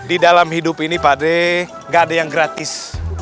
di dalam hidup ini pade ga ada yang gratis